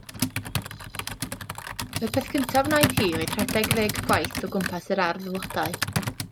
Y peth cyntaf wnaeth hi oedd rhedeg ddeg gwaith o gwmpas yr ardd flodau.